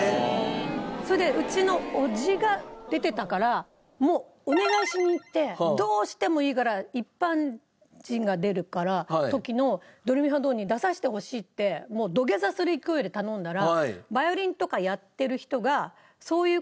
それでうちの伯父が出てたからもうお願いしに行ってどうしてもいいから一般人が出る時の『ドレミファドン！』に出させてほしいってもう土下座する勢いで頼んだら。